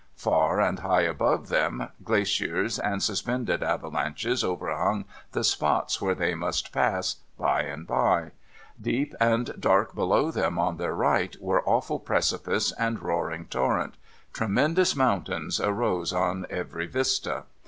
Par and high above them, glaciers and suspended avalanches overhung the spots where they must pass, by and by ; deep and dark below them on their right, were awful precipice and roaring torrent ; tremendous mountains arose in every vista.